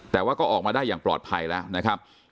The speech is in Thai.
แต่ว่าก็ออกมาได้อย่างปลอดภัยแล้วนะครับ